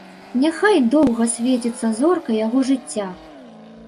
Няхай доўга свеціцца зорка яго жыцця!